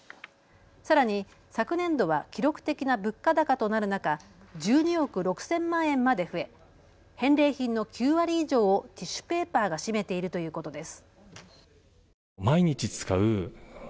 さらに昨年度は記録的な物価高となる中、１２億６０００万円まで増え返礼品の９割以上をティッシュペーパーが占めているということです。